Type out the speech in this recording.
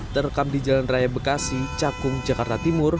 terekam di jalan raya bekasi cakung jakarta timur